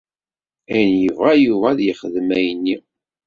Ayen yebɣa Yuba ad yexdem ayen-nni?